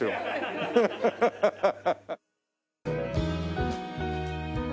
ハハハハ！